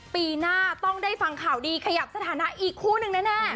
ปีหน้าต้องได้ฟังข่าวดีขยับสถานะอีกคู่หนึ่งแน่